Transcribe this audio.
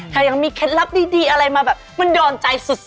ยังมีเคล็ดลับดีอะไรมาแบบมันโดนใจสุด